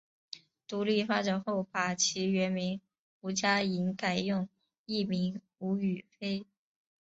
独立发展后把其原名吴家颖改用艺名吴雨霏。